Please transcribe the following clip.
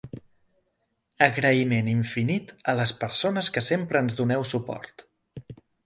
Agraïment infinit a les persones que sempre ens doneu suport.